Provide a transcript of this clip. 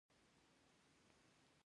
افغانستان په د ریګ دښتې غني دی.